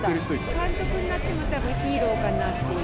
監督になってもヒーローかなっていう。